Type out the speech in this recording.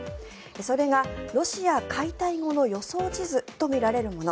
それがロシア解体後の予想地図とみられるもの。